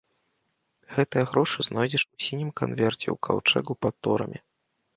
Гэтыя грошы знойдзеш у сінім канверце ў каўчэгу пад торамі.